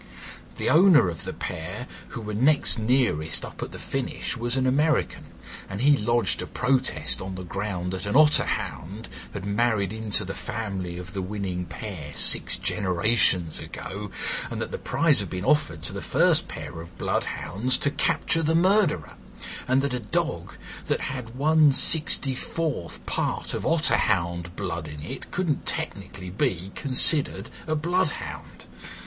The owner of the pair who were next nearest up at the finish was an American, and he lodged a protest on the ground that an otterhound had married into the family of the winning pair six generations ago, and that the prize had been offered to the first pair of bloodhounds to capture the murderer, and that a dog that had 1/64th part of otterhound blood in it couldn't technically be considered a bloodhound.